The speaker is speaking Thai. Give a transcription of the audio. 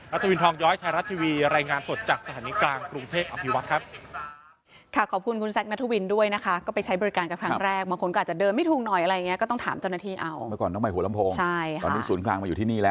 ทวินทองย้อยไทยรัฐทีวีรายงานสดจากสถานีกลางกรุงเทพอภิวัตรครับ